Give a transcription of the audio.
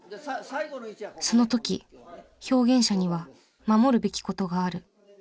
その時表現者には守るべき事がある。